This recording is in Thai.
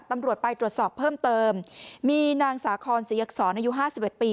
ตำรวจไปตรวจสอบเพิ่มเติมมีนางสาคอนศรีอักษรอายุห้าสิบเอ็ดปี